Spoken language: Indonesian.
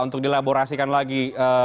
untuk dilaborasikan lagi